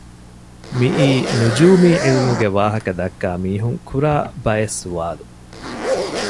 މިއީ ނުޖޫމީ ޢިލްމުގެ ވާހަކަ ދައްކާ މީހުން ކުރާ ބައެއް ސުވާލު